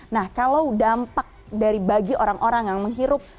nah kalau dampak dari bagi orang orang yang menghirup